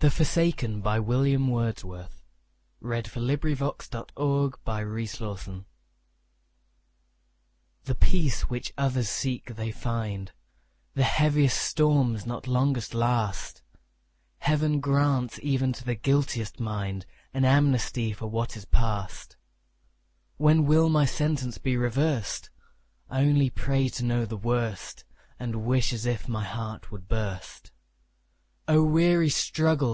C D . E F . G H . I J . K L . M N . O P . Q R . S T . U V . W X . Y Z The Forsaken THE peace which others seek they find; The heaviest storms not longest last; Heaven grants even to the guiltiest mind An amnesty for what is past; When will my sentence be reversed? I only pray to know the worst; And wish as if my heart would burst. O weary struggle!